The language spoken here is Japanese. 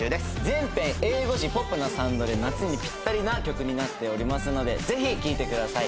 全編英語詞ポップなサウンドで夏にぴったりな曲になっておりますのでぜひ聴いてください。